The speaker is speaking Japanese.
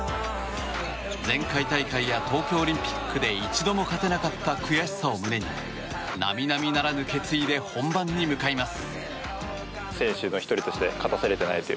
前回大会や東京オリンピックで一度も勝てなかった悔しさを胸に並々ならぬ決意で本番に向かいます。